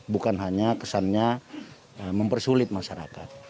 bukan hanya kesannya mempersulit masyarakat